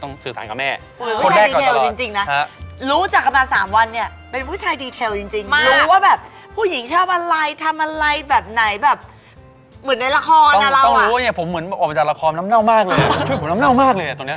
ต้องรู้ว่าเนี่ยผมเหมือนออกมาจากละครมน้ำเน่ามากเลยนะช่วยผมน้ำเน่ามากเลยนะตรงเนี่ย